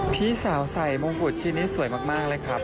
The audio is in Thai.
พี่สาวใส่มงกุฎชิ้นนี้สวยมากเลยครับ